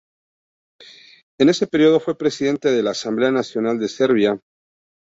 En ese periodo fue presidente de la Asamblea Nacional de Serbia.